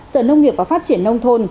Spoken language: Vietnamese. sở nông nghiệp và phát triển nông thôn